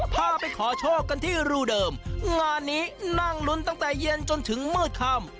พาไปขอโชคกันที่รูเดิมงานนี้นั่งลุ้นตั้งแต่เย็นจนถึงมืดค่ำ